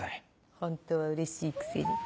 ホントはうれしいくせに。